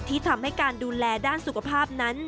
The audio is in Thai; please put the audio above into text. ที่ทำให้การดูแลด้านสุขภาพนั้น